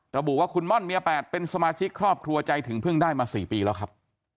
ระบุว่าคุณม่อนเมีย๘เป็นสมาชิกครอบครัวใจถึงเพิ่งได้มา๔ปีแล้วครับ